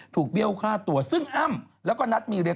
เบี้ยวฆ่าตัวซึ่งอ้ำแล้วก็นัทมีเรีย